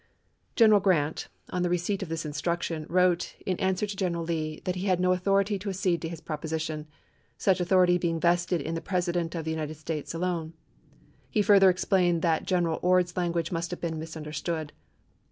General Grant, on the receipt of this instruction, wrote, in answer to General Lee, that he had no authority to accede to his proposition — such au thority being vested in the President of the United States alone; he further explained that General Ord's language must have been misuuderstood.